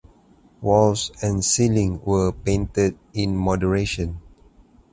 Walls and ceiling were painted in moderation.